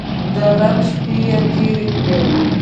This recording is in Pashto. د غم شپې یې تېرې کړې.